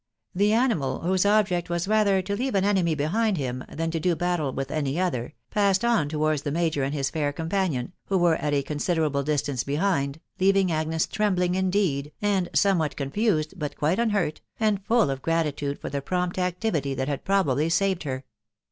The ani mal, whose object was rather to leave an enemy behind him, than to do battle with any other, \>a&«&d oxv \&wttt&% *&&. major and his fair companion, vrt\o Yicie %X * wsoss&sst^&a p 3 214 THE WIDOW UARNAEY. distance behind, leaving Agnes trembling indeed, and some what confused, but quite unhurt, and full of gratitude for the prompt activity that had probably saved her.